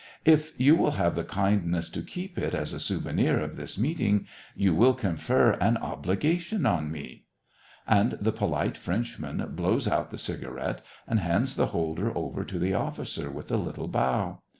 " If you will have the kindness to keep it as a souvenir of this meeting, you will confer an obligation on me." And the polite Frenchman blows out the cigarette, and hand^ the holder over to the officer with a little bow.